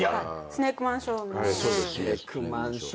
スネークマンショー。